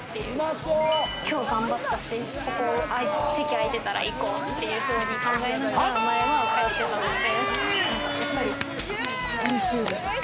きょう頑張ったし、席空いてたら行こうというふうに考えながら通ってたので。